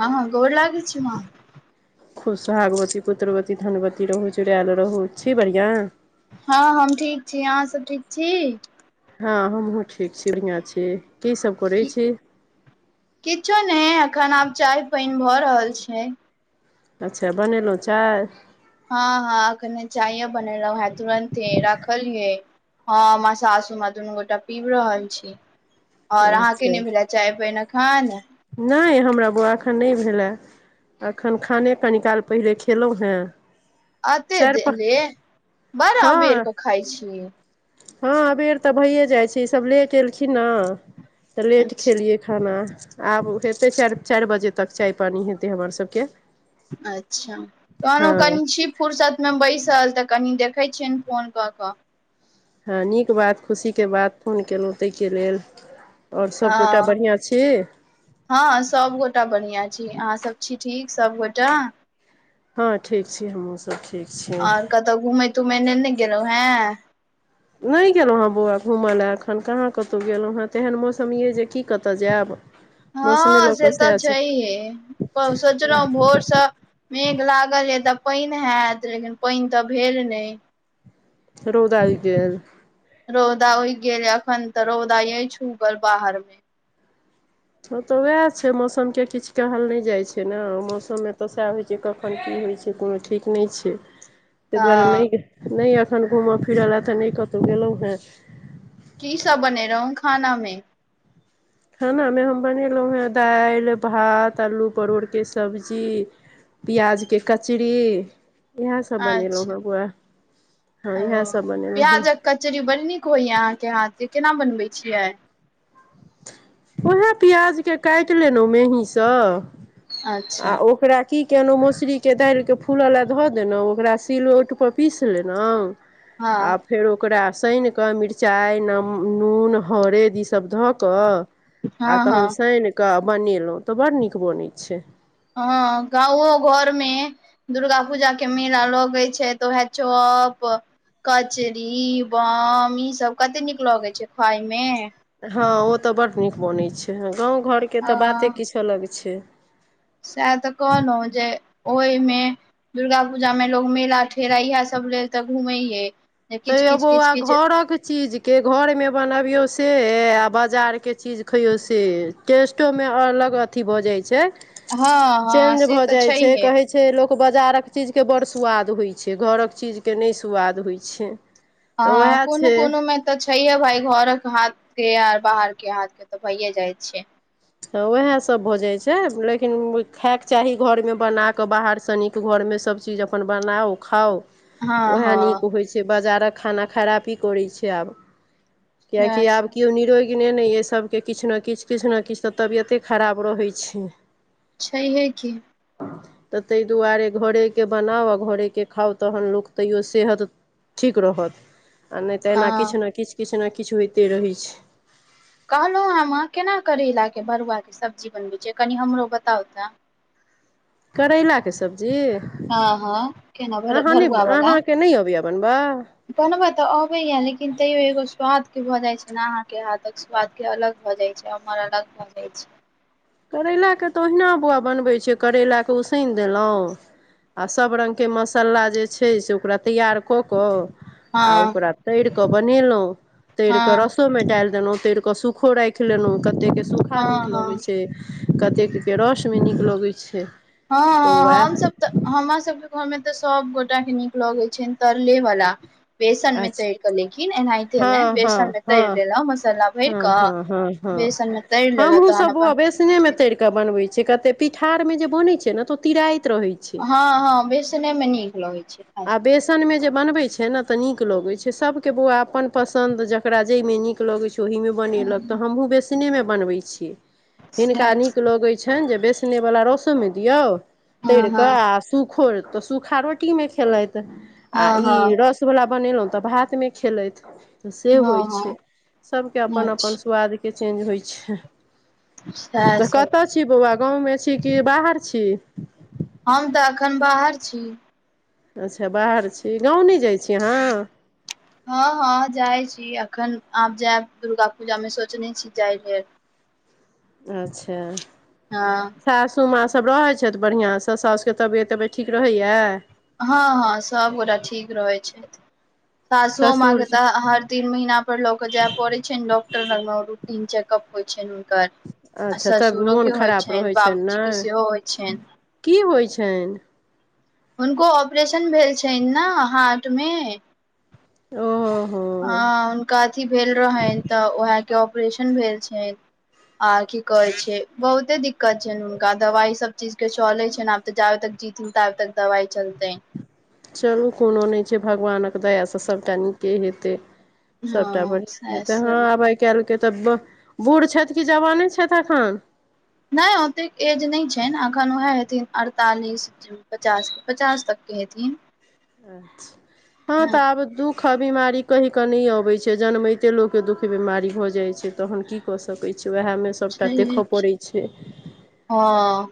हँ, गोर लागै छै माँ। खुश, सुहागवती, पुत्रवती, धनवती रहू, जुड़ायल रहू छी बढ़िआँ।? हँ, हम ठीक छी। अहाँ सभ ठीक छी? हँ, हमहूँ ठीक छी। बढ़िआँ छी, कीसभ करैत छी? किछु नहि, अखन आब चाय पान भऽ रहल छै। अच्छा, बनेलहुँ चाय? हँ हँ, अखने चाय बनेलो छै, तुरन्ते राखल छै। हँ, हम सासू माँ दुनू गोटे पीब रहल छी। आ अहाँके अच्छा नहि भेल चाय पान अखन? नहि, हमरा बौआ एखन नहि भेलए। एखन खाने कनी काल पहिने खेलहुँ हेँ। एते चारि पाँच देरसे बड़ा हँ अबेरके खाइ छी। हँ, अबेर तऽ भऽ जाइ छै, ईसभ लेट एलखिन ने तऽ लेट अच्छा खेलियै। खाना आब हेतै, चारि चारि बजे तक चाय पानि हेतै हमरसभके अच्छा, कहलऊ कनि छिप। फुर्सतमे बैसल, तऽ कनि देखै छिअन फोन कऽ हँ, नीक बात, खुशीके बात। फोन कयेलहुँ ताहि लेल। आ सभगोटा हँ बढ़िआँ छी। हँ, सबगोटा बढ़िआँ छी, अहाँ सब ठीक छी, सभगोटा। हँ, ठीक छी, हमहूसभ ठीक छी। तऽ घुमैतुमै ने गेलहुँ हैं। नय गेलहुँ हेँ बौआ, घूमय लेल एखन कहाँ कतहु गेलहुँ हेँ, तेहन मौसम अछि जे की कत जायब। मौसमे हँ, लऽ कऽ से तऽ सएह छै छैहे, सोचलहुँ भोरसँ। मेघ लागल अछि तऽ पानि हेतै, लेकिन पानि तऽ भेल नहि। रौदा ऊइग गेल? रौदा ऊगी गेलै अखन तऽ रौदा ई छै बाहरमे। हँ, तऽ उएह छै, मौसमके किछु कहल नहि जाइ छै ने, मौसममे तऽ सएह होइ छै। जे कखन की होइ छै, कोनो ठीक नहि छै। ताहि हँ दुआरे एखन घूमय फिरय लेल कतहु नहि गेलहुँ हेँ। की सभ बनेलहुँ खाना मे? खाना मे हम बनौलहुँ हेँ दालि भात। तऽ आलू परोरके सब्जी, पियाजके कचरी। इएह सब बनेलहुँ अच्छा हँ बौआ, हँ ओ इएह सब बनेलहुँ हँ। प्याजक कचरी बड़ नीक होइया, अहाँके हाथके केना बनबैत छियै? उएह पियाजके काटि लेलहुँ महीसँ आ अच्छा ओकरा। की केलहुँ मौसरीके दायिल के फूलऽ लए धऽ देलहुँ ओकरा सिलौ टपर पीस लेलौं हँ आब फेर ओकरा सानिकऽ मिरचाइ नम नून हरद ईसब धऽ कऽ हँ आ हँ तहन साईन कऽ बनेलहुँ तऽ बड़ नीक बनै छै हँ गाँवो घरमे दुर्गा पूजा के मेला लगै छै तऽ उएह चौप कचरी बम ई सब कते नीक लगे छै खाय मे हँ ओ तऽ बड्ड नीक बनैत छै गाँ घरके अ तऽ बाते किछु अलग छै सएह तऽ कहलहुँ जे ओहिमे दुर्गा पूजा मे लोग मेला ठेला इएह सब लेल तऽ घूमैये जे किछ तैयो किछ बौआ किछ किछ घरक चीज के घरमे बनबियौ से आओ बजारके चीज खइयौ से टेस्टो मे अलग अथी भऽ जाय छै हँ हँ चेंज से भऽ तऽ जाय छै छैहे कहै छै लोग बजार के चीज के बड़ सुवाद होय छै घरक चीज के ने स्वाद होय छै छै तऽ हँ उएह कोनो कोनोमे तऽ छैहे भाय घर के हाथ के आर बाहर के हाथ के तऽ भैे जाय छै तऽ उएहसभ भऽ जाइ छै लेकिन खायके चाही घरमे बना कऽ बाहरसँ नि घरमे सभचीज अपन बनाउ खाउ हँ उएह हँ नीक होइ छै बाजारक खाना खराबी करै छै आब सैह कियकि आब सब केओ निरोइग नय य सभके किछ न किछ किछ न किछ तऽ तबियते खराब रहै छै छैहे की हँ तऽ ताहि दुआरे घरेके बनाउ आ घरेके खाउ तखन लोक तैओ सेहत ठीक रहत आ नहि तऽ एना हँ किछु ने किछु किछु ने किछु होइते रहैत छै कहलहुँ हें माँ केना करैलाके बरुआके सब्जी बनबैत छै कनि हमरो बताउ तऽ करैलाके सब्जी हँ हँ केना भर अहाँ नहि अहाँके नहि अबय बनबा बनबय तऽ अबैया लेकिन तैयो एगो स्वादके भऽ जाइत छै ने अहाँके हाथक बाद के अलग भऽ जाइ छै अमर अलग भऽ जाइ छै करैलाके तऽ ओहिना बौआ बनबै छै करैलाके उसनि देलहुँ आ सभ रंगके मसाला जे छै से ओकरा तैयार कऽ कऽ आ हँ ओकरा तर कऽ बनेलहुँ तर कऽ हँ रसोमे डालि देलहुँ तर कऽ सूख सूखो राखि लेलहुं कते के सूखा हँ नीक हँ लगै छै कतेकके रसमे नीक लगैत छै हँ तऽ हँ हम उएह सब तऽ हमर सभके घरमे तऽ सभगोटाके नीक लगैत छनि तरलेवला बेसनमे अच्छा तैर कऽ लेकिन एनाते ने हँ हँ बेसन मे हँ तैर लेल मसाला भैरि हँ हँ हँ हँ हमहूँ तहन सब बौआ बेसने अपन मे तैर के बनवे छियै कते पिठार मे जे बनय छै ने तो तिराइत रहे छै हँ हँ बेसने मे नीक लगै छै आ बेसनमे जे बनबै छै ने तऽ नीक लगैत छै सभके बौआ अपन पसन्द जकरा जाहिमे नीक लगैत छै ओहीमे बनेलक तऽ मे हमहूँ बेसनेमे बनबैत छियै हिनका सएह नीक सब। लगैत छनि जे बेसनेवला रसोमे दियौ तर हँ हँ कऽ आ सूखो तऽ सूखा रोटीमे खेलत आओर हँ ई हँ रस वला बनेलहुँं तब भात ने खेलैत तऽ से होइ हँ छै सभके हँ अपन अच्छा अपन स्वादके चेंज होइ छै सएह तऽ सभ कतय छी बौआ गाँवमे छी कि बाहर छी हम तऽ अखन बाहर छी अच्छा, बाहर छी, गाँव नहि जाइ छी अहाँ? हँ हँ, जाइ छी। अखन आब जायब, दुर्गापूजामे सोचने छी जाय लेल। अच्छा हँ सासु माँ सब रहै छथि बढ़िआँसँ, सासुके तबियत ठीक रहै छियै? हँ हँ, सभगोटा ठीक रहैत छथि, सासू ससुर माँके छै तऽ हर तीन महीना पर लऽ कऽ जाय पड़ै छै ने डॉक्टर लगमे, रूटीन चेकअप लेल। होइ छनि हुनकर आ अच्छा तब मोन ससुरोके होइ खराब छनि, रहै बाबूजीके ने सेहो होइ छनि। की होइत छनि? हुनको हार्टमे ऑपरेशन भेल छनि ने? ओ हो ओ। हँ, हुनका अथी भेल रहनि तऽ उएहके ऑपरेशन भेल छनि। आर की कहै छै, बहुते दिक्कत छनि हुनका, दवाई सब चीजके चलै छनि आब। तऽ जाबत तक जीथिन, ताबत तक दवाई चलतै। चलू, कोनो नहि छै, भगवानक दया सँ सभटा नीके हेतै। हँ सभटा बढ़िआँ सएह तऽ सब हँ। काल्हिके तऽ बूढ़ छथि कि जवान छथि एखन? नहि, ओतेक एज नहि छनि अखन, उएह हेतिन अड़तालीस। पचास पचास तकके हथिन। अच्छा, हँ तऽ आ दु देखू, बीमारी कहि कऽ नहि अबै छै, जन्मैते लोकके दुख बीमारी भऽ जाइत छै, तऽ की? करऽ सकैत छी, उएहामे सभटा देखय पड़ैत छै। हँ, आ।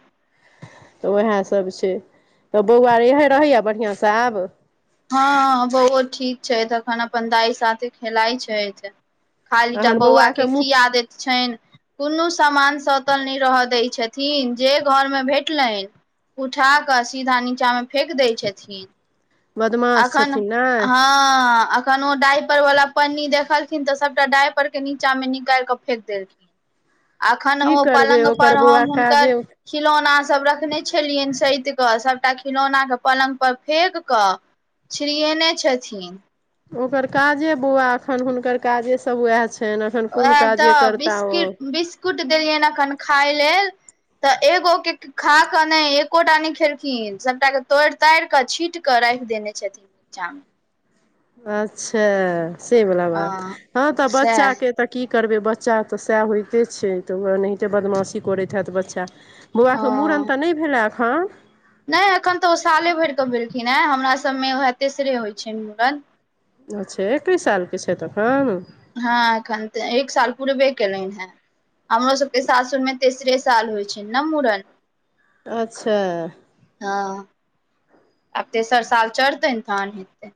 तऽ उएह सभ छै तऽ बौआ, रहै बढ़िआँ सँ आब। हँ, बौआ ठीक छै, तखन अपन दाइके साथे खेलैत छै। खाली टा तहन बौआके की मुँह आदत छनि? कोनो सामान स्थिर नहि रहय दैत छथिन, जे घरमे भेटलनि। उठा कऽ सीधा नीचामे फेकि दै छथिन। बदमाश एखन, छथिन ने हाँ। कोनो डाइपरवाला पन्नी देखलखिन तऽ सभटा डाइपर नीचामे निकालि कऽ फेकि देलखिन। एखन की ओ करबै पलंग ओकर पर, बौआ हम काजे हुनकर खिलौना सभ रखने छलियनि से, सभटा खिलौनाके पलंग पर फेकि कऽ। छिरीएनै छथिन। ओकर काजे बौआ अखन हुनकर काजे सभ उएह छनि। एखन कोन उएह काजे तऽ करता ओ बिस्कुट देलियनि एखन खाय लेल। तऽ एगो के खा कऽ ने, एकोटा नहि खेलखिन, सभटाके तोड़ि तोड़ि कऽ छीटि कऽ राख देने छथिन नीचा मे। अच्छा, से बाल बात हँ तऽ सएह बच्चाके। तऽ की करबै, बच्चा तऽ सएह होइते छै, एनाहिते बदमाशी करैत हैत बच्चा। बौआके मूड़न हँ तऽ नहि भेल एखन? नहि, एखन तऽ ओ साले भरिकऽ भेलखिन हे, हमर सभमे उएह तेसरे होइत छै मूड़न। अच्छा, एतय सालके छथि अखन? हँ, एखन तऽ एक साल पूरे केलनि हे। हमरो सभके सासुरमे तेसरे साल होइ छै ने मूड़न। अच्छा। हँ, आब तेसर साल चढ़तै, तखन हेतैन मूड़न।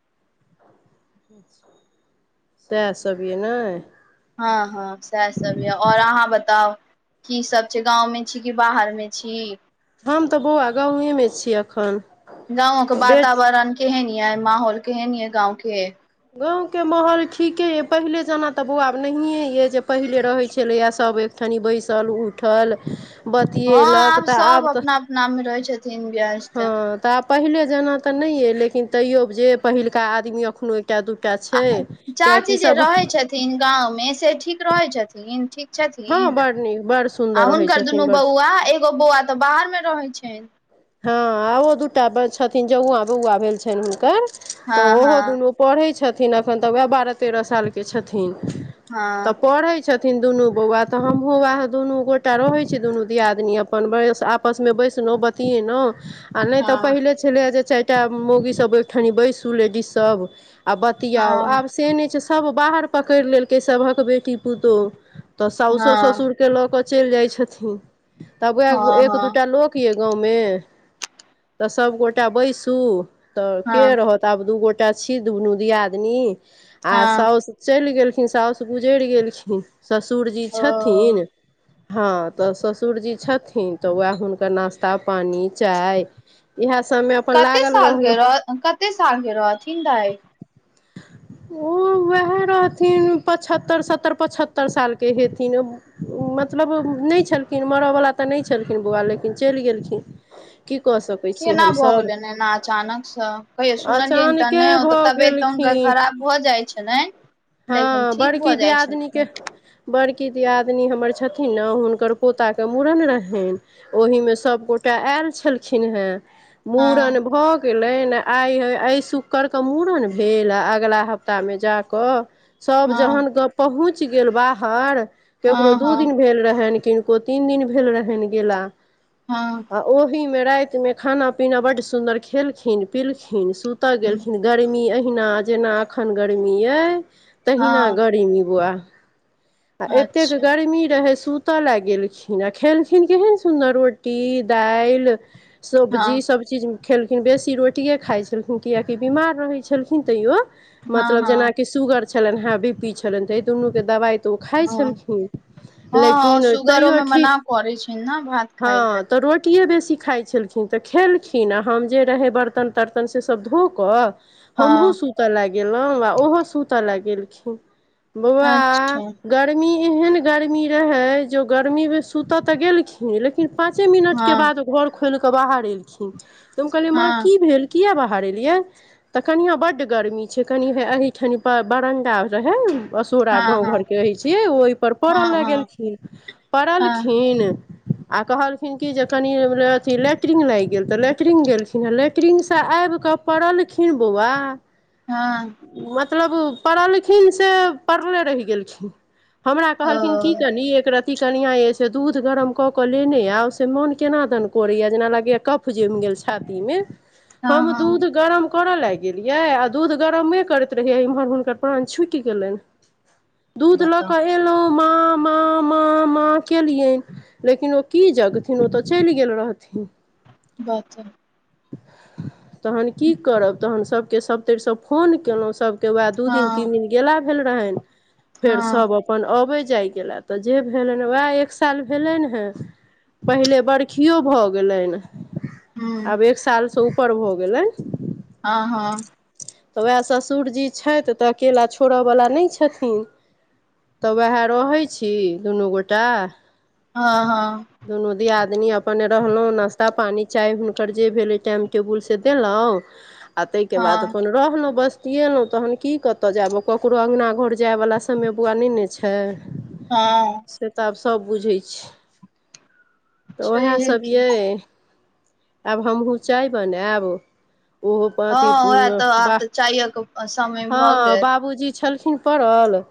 अच्छा, सएह सभ ये ने हँ हँ, सएह सभ यऽ। आ अहाँ बताउ? की सब छै? गाँवमे छी की बाहरमे छी? हम तऽ बौआ, गाँवमे छी एखन। गाँंव के बेट वातावरण केहन यै माहौल केहन है गाँव के गाँव के माहौल ठीके यए पहिले जेना तऽ बौआ आब नहिए यए जे पहिले रहैत छलैए सभ एक कनि बैसल उठल बतीएलक तऽ आब तऽ नाम मे रहै छथिन ब्यास हाँ तऽ आब पहिले जाना तऽ नहि अइ लेकिन तैयो जे पहिलका आदमी जे एखनो कए दूटा छै किएकि सब तीन गाँव मे से ठीक रहै छथिन ठिक हँ छथिन बड़ नीक बड़ आ सुन्दर रहै हुनकर छथिन दुनू बड़ बौआ एगो बौआ तऽ बाहर मे रहै छैन हँ आ ओ दूटा छथिन जौआ बौआ भेल छनि हुनकर तऽ हँ ओहो हँ दुनू पढ़ै छथिन अखन तऽ वएह बारह तेरह साल के छथिन तऽ हँ पढ़ै छथिन दुनू बौआ तऽ हमहुँ वएह दुनू गोटा रहैत छी दुनू दियादनी अपन बस आ आपस मे बैसलहु बतियेलहुँ आ नहि तऽ हँ पहिले छलै जे चारि टा मौगीसभ ओहिठनि बैसू लेडीजसभ आ बतियाउ हँ आब से नहि छै सभ बाहर पकड़ि लेलकै सभक बेटी पुतोहु तऽ साउसो हँ ससुर के लऽ के चलि जाय छथिन तब हँ वएह एक हँ दूटा लोक यए गाँवमे तऽ सबगोटा बैसू तऽ के हँ रहत तब दू गोटा छी दुनू दियादिनी आ हँ साउस चलि गेलखिन साउस गुजरि गेलखिन ससुर जी ओ छथिन हँ तऽ ससुर जी छथिन तऽ वएह हुनकर नास त्ता पानी चाय इएह सबमे कते साल के रह कते साल के रहथिन दाइ [inaudible] ओ उएह रहथिन पचहत्तरि सत्तरि पचहत्तरि सालके हेथिन मतलब नहि छलखिन मरयवला तऽ नहि छलखिन बौआ लेकिन चलि गेलखिन की कऽ सक केना भऽ गेलै एना अचानक से कहियो सुनलियैनि तऽ अचानके नहिते भऽ तबियत तऽ हुनका गेलखिन खराब भऽ जाइत छलनि लेकिन हँ ठीक बड़की भऽ जाइ दियादनीके छलखिन बड़की दिआदनी हमर छथिन ने हुनकर पोताके मूड़न रहनि ओहि मे सबगोटाे आएल छलखिन हेँ हँ मूड़न भऽ गेलनि आइ ह एहिइ शुक्रके मूड़न भेल आ अगिला हफ्तामे जा कऽ सब हँ जहन ग पहुँच गेल बाहर केकरो हँ दू हँ दिन भेल रहेन कि दो तीन दिन भेल रहनि गेला हँ ओहि मे राति मे खाना पीना बड्ड सुदर खेलखिन पिलखिन सुतऽ गेलखिन गरमी एहिवहिना जेना एखन गरमी अहि तहिना हँ गरमी बुआ आ एतेक अच्छा गर्मी रहै सुत तय लए गेलखिन आ खेलखिन केहन सुन्दर रोटी दालि सबजी हँ सब चीज खेलखिन बेसी रोटिए खाइत छलखिन किएकि बिमार रहै छलखिन तैयो हँ मतलब हँ जेनाकि शूगर छलनि हेँ बी पी छलनि तऽ ई दुनूके दबाइ तऽ ओ खाइ हँ छलखिन हँ हँ लेकिन सुगरो तैयो मे मना ठीक करै छनि न भात खाय लए हँ तऽ रोटिए बेसी खाइ छै खिन तऽ खेलखिन आ हम जे रहै बर्तन तर्तन से सब धो कऽ हमहुँ हँ सुतऽ लए गेलहुँ आ ओहो सुतऽ ल गेलखिन बौआ अच्छा गर्मी एहेन गर्मी रहे जो गर्मी मे सुत तऽ गेलखिन लेकिन पाँचे मिनटके हँ बाद घर खोलिकऽ बाहर एलखिन तऽ हम कहलियै माँ हँ की भेल किये बाहर एलियै तऽ कनियाँ बड्ड गरमी छै कनि एहिठाम बरण्डा रहै असूरा हँ गाँव हँ घरके रहै छियै ओहिपर पड़ऽ हँ हँ लगखिन हँ पड़लखिन आ कहलखिन की जे कनि अथी लेटरिंग लागि गेल तऽ लेटरिंग गेलखिन लेटरिंगसँ आबि कऽ पड़लखिन बौआ हँ मतलब पड़लखिन से पड़ले रेह गेलखिन हमरा ओ कहलखिन की कनी एक रती कनिया ए से दूध गरम को केऽ लेने याब से मोन केना दन करैया जेना लागैया कफ जैम गेल छाती मे हँ हम हँ दूध गरम करऽ लाग गेलियै आ दूध गरमे करैत रहियै इम्हर हुनकर प्राण छुत गेले दूध लऽ बताउ कऽ एलहु माँ माँ माँ माँ केलिये लेकिन ओ की जगथिन ओ तऽ चैल गेल रहथिन बात तहन की करब तहन सभके सभतरिसँ फोन केलहुँ सभ वह दू दिन हँ तीन दिन गाला भेल रहैन फेर हँ सब अपन अबय जाय गेलए तऽ जे भेलन उएह एक साल भेलैहेन है पहिले बरखियो भऽ गेलैन हूँ आब एक सालसँ ऊपर भऽ गेले हँ हँ उएह ससुरजी छथि तऽ अकेला छोड़यवला नहि छथिन तऽ उएह रहैत छी दुनू गोटा हँ हँ दुनू दीयादनी अपन रहलहुँ नाश्ता पानि चाय हुनकर जे भेलै टाइम टेबुल से देलहुँ तहिके बाद हँ रहलो बस्तियलो तहन की कते जाबो क केकरो अंगना घर जाय वला समय बुआ ने ने छै हँ से तऽ आब सब बुझै छै उएहा छैहे सब ये की आब हमहूँ चाय बनऐब ओहो अथी हँ उएह तऽ बा आब तऽ चायक समय भऽ हँ गेल बाबूजी छलखिन [unintelligible] पड़ल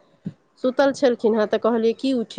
सुतल छलकिन ह त कहलखिन की खोबै